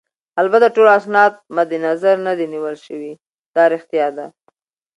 البته ټول اسناد مدنظر نه دي نیول شوي، دا ريښتیا ده.